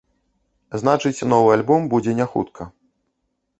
Значыць, новы альбом будзе не хутка.